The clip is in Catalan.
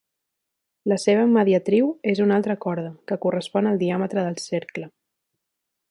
La seva mediatriu és una altra corda, que correspon al diàmetre del cercle.